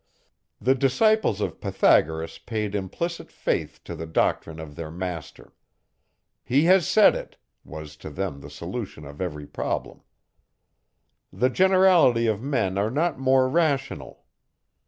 The disciples of Pythagoras paid implicit faith to the doctrine of their master; he has said it, was to them the solution of every problem. The generality of men are not more rational.